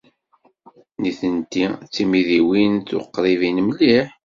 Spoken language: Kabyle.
Nitenti d timidiwin tuqribin mliḥ.